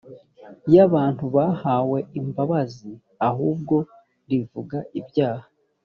y abantu bahawe imbabazi ahubwo rivuga ibyaha